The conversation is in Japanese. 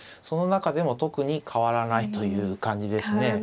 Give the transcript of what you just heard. その中でも特に変わらないという感じですね。